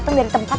gak ada skan nih